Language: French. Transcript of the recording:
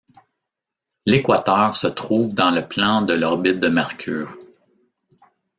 L'équateur se trouve dans le plan de l'orbite de Mercure.